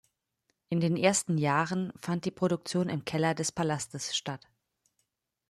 In den ersten Jahren fand die Produktion im Keller des Palastes statt.